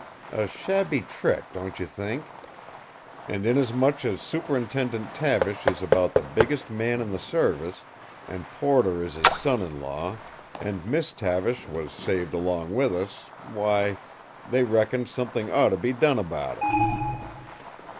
A shabby trick, don't you think? And inasmuch as Superintendent Tavish is about the biggest man in the Service, and Porter is his son in law, and Miss Tavish was saved along with us why, they reckoned something ought to be done about it."